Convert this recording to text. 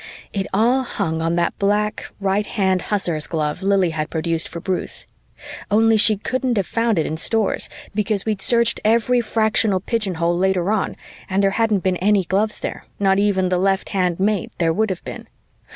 It all hung on that black right hand hussar's glove Lili had produced for Bruce. Only she couldn't have found it in Stores, because we'd searched every fractional pigeonhole later on and there hadn't been any gloves there, not even the left hand mate there would have been.